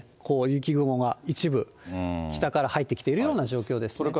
こう、雪雲が一部北から入ってきているような状況ですね。